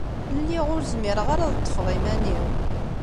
Lliɣ ur zmireɣ ara ad ṭṭfeɣ iman-iw.